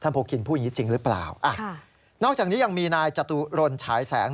โพคินพูดอย่างงี้จริงหรือเปล่าอ่ะค่ะนอกจากนี้ยังมีนายจตุรนฉายแสง